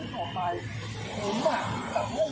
โมนตั๊คจับอะไรอีกกันโดย